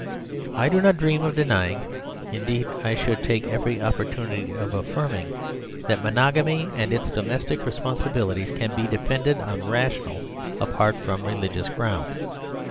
I do not dream of denying, indeed I should take every opportunity of affirming, that monogamy and its domestic responsibilities can be defended on rational apart from religious grounds.